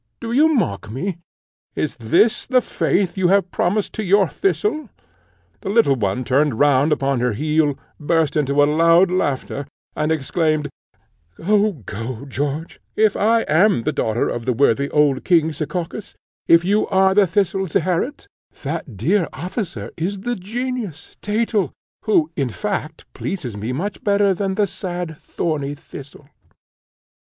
Do you mock me? Is this the faith you have promised to your Thistle?" The little one turned round upon her heel, burst into a loud laughter, and exclaimed, "Go, go, George; if I am the daughter of the worthy old King Sekakis, if you are the thistle, Zeherit, that dear officer is the genius, Thetel, who, in fact, pleases me much better than the sad thorny thistle."